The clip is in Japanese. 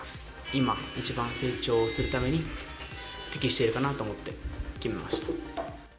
今、一番成長するために、適しているかなと思って決めました。